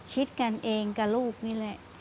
คิดกันเองกับลูกนี่แหละ